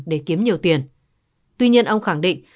để kiếm nhiều tiền tuy nhiên ông khẳng định